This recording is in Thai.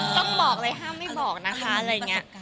ต้องบอกเลยห้ามไม่บอกนะคะอะไรอย่างนี้